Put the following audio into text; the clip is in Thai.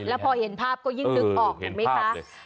แล้วพอเห็นภาพก็ยิ่งนึกออกถูกมั้ยค่ะ